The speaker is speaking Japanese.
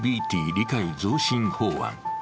理解増進法案。